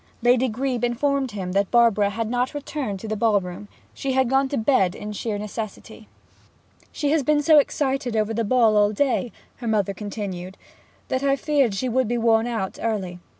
Lady Grebe informed him that Barbara had not returned to the ball room: she had gone to bed in sheer necessity. 'She has been so excited over the ball all day,' her mother continued, 'that I feared she would be worn out early .